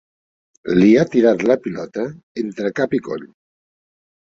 Li ha tirat la pilota entre cap i coll.